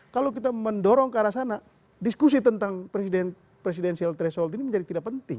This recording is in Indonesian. kalau kita mendorong ke arah sana diskusi tentang presidensial threshold ini menjadi tidak penting